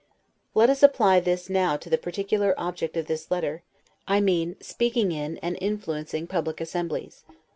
Let us apply this now to the particular object of this letter; I mean, speaking in, and influencing public assemblies.